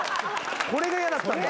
これが嫌だったんだ。